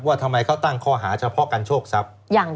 ว่าทำไมเขาตั้งข้อหาเฉพาะการโชคทรัพย์